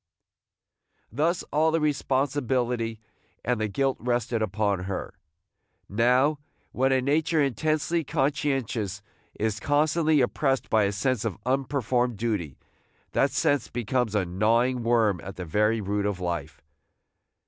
Thus all the responsibility and the guilt rested upon her. Now, when a nature intensely conscientious is constantly oppressed by a sense of unperformed duty, that sense becomes a gnawing worm at the very root of life.